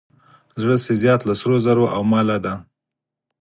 زړه چې زیات له سرو زرو او ماله دی.